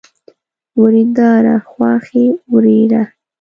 ورېنداره ، خواښې، ورېره